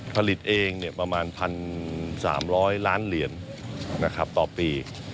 ผลิตเองประมาณ๑๓๐๐ล้านเหรียญต่อปี